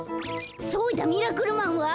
そうだミラクルマンは？